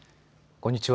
こんにちは。